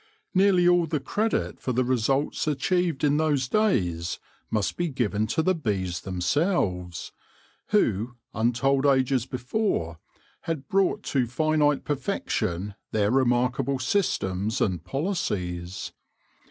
Nearly all the credit for the results achieved in those days must be given to the bees themselves, who, untold ages before, had brought to finite perfection their remarkable systems and policies.